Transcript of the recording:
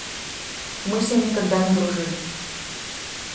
Мы с ним никогда не дружили.